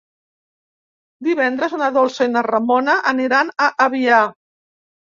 Divendres na Dolça i na Ramona aniran a Avià.